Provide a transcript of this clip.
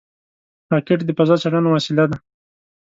راکټ د فضا څېړنو وسیله ده